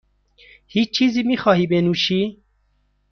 هیچ چیزی میخواهی بنوشی؟